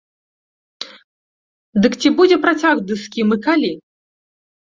Дык ці будзе працяг ды з кім і калі?